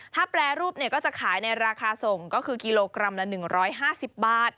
ถ้าแปรรูปก็จะขายในราคาส่งก็คือกิโลกรัมละ๑๕๐บาท